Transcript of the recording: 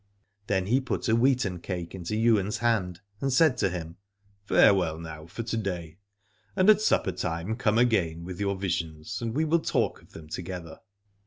Then he put a wheaten cake into Ywain's hand and said to him : Farewell now for to day, and at supper time come again with your visions, and we will talk of them together.